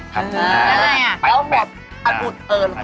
คือในอ่ะ